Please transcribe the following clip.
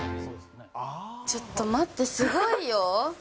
ちょっと待って、すごいよ。